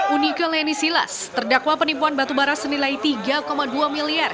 unike leni silas terdakwa penipuan batu bara senilai tiga dua miliar